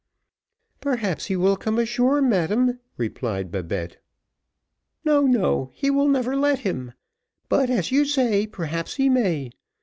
"Perhaps he will come ashore, madam," replied Babette. "No, no, he will never let him; but, as you say, perhaps he may.